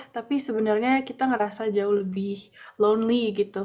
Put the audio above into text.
tapi sebenarnya kita ngerasa jauh lebih lonely gitu